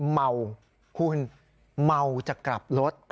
เมาคุณเมาจะกลับรถ